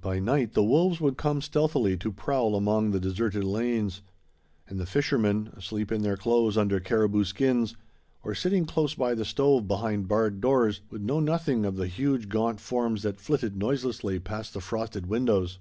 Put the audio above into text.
By night the wolves would come stealthily to prowl among the deserted lanes; and the fishermen, asleep in their clothes under caribou skins, or sitting close by the stove behind barred doors, would know nothing of the huge, gaunt forms that flitted noiselessly past the frosted windows.